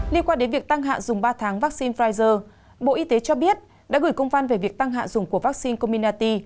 liên quan đến việc tăng hạn dùng ba tháng vaccine pfizer bộ y tế cho biết đã gửi công văn về việc tăng hạn dùng của vaccine comirnaty